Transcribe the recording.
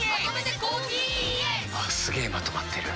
すげえまとまってる。